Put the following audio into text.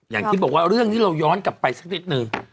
อย่างที่บอกว่าเรื่องนี้เราย้อนกลับไปสักนิดนึง